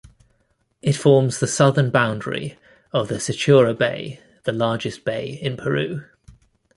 It forms the southern boundary of the Sechura Bay, the largest bay in Peru.